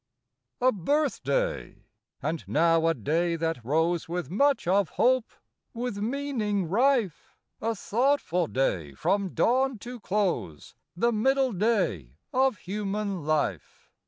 A BIRTHDAY: —and now a day that rose With much of hope, with meaning rife — A thoughtful day from dawn to close; The middle day of human life.